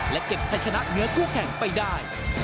และเก็บใช้ชนะเนื้อคู่แข่งไปได้